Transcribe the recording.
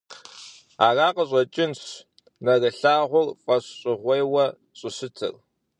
Ара къыщӀэкӀынщ нэрымылъагъур фӀэщщӀыгъуейуэ щӀыщытыр.